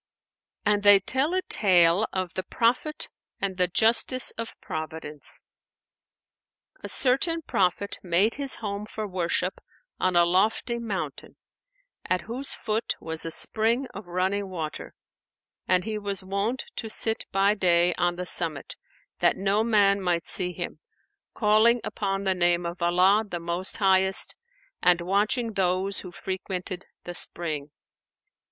'" And they tell a tale of THE PROPHET AND THE JUSTICE OF PROVIDENCE. A certain Prophet[FN#494] made his home for worship on a lofty mountain, at whose foot was a spring of running water, and he was wont to sit by day on the summit, that no man might see him, calling upon the name of Allah the Most Highest and watching those who frequented the spring.